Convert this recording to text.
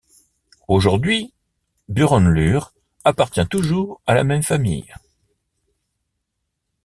Aujourd'hui, Buranlure appartient toujours à la même famille.